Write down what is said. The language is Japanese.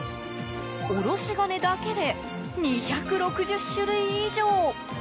おろし金だけで２６０種類以上。